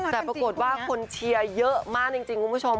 แต่ปรากฏว่าคนเชียร์เยอะมากจริงคุณผู้ชม